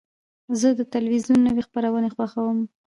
زه د تلویزیون نوی خپرونې خوښوم.